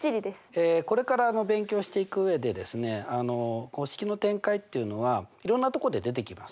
これから勉強していく上でですね式の展開っていうのはいろんなとこで出てきます。